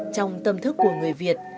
trong tâm thức của người việt